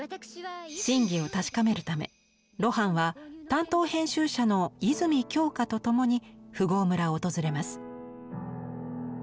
真偽を確かめるため露伴は担当編集者の泉京香と共に富豪村を訪れます。